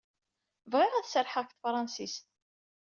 Bɣiɣ ad serrḥeɣ deg tefṛensist.